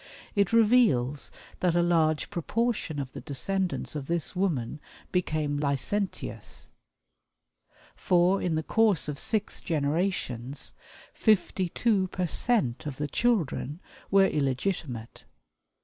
It reveals that a large proportion of the descendants of this woman became licentious, for, in the course of six generations, fifty two percent of the children were illegitimate.